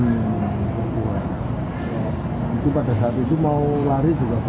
itu pada saat itu mau lari juga